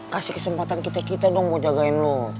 kasih kesempatan kita kita dong mau jagain lo